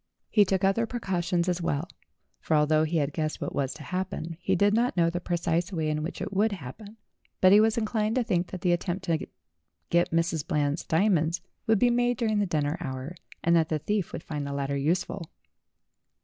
He took other precautions as well, for although he had guessed what was to happen, he did not know the precise way in which it would happen ; but he was inclined to think that the attempt to get Mrs. Eland's diamonds would be made during the dinner hour, and that the thief would find the ladder useful.